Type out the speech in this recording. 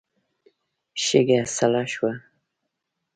شګه سړه شوه.